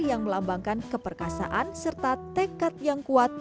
yang melambangkan keperkasaan serta tekad yang kuat